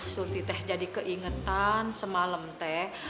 surti teh jadi keingetan semalam teh